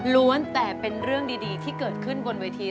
แต่เป็นเรื่องดีที่เกิดขึ้นบนเวที